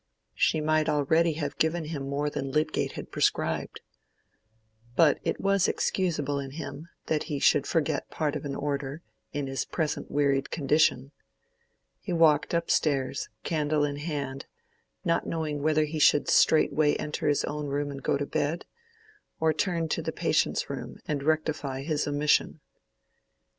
She might already have given him more than Lydgate had prescribed. But it was excusable in him, that he should forget part of an order, in his present wearied condition. He walked up stairs, candle in hand, not knowing whether he should straightway enter his own room and go to bed, or turn to the patient's room and rectify his omission.